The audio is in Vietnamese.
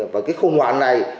và cái khung hoảng này